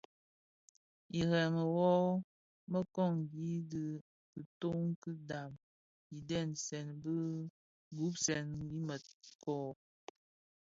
Irèmi wu mëkōň dhi kitoň ki bhan idhemzè bi gubsèn i mëkōň.